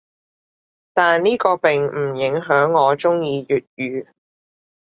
但呢個並唔影響我中意粵語‘